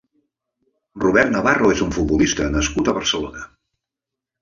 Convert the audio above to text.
Robert Navarro és un futbolista nascut a Barcelona.